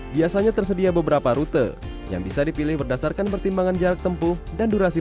biasanya tersedia beberapa rute yang bisa dipilih berdasarkan pertimbangan jarak tempuh dan durasi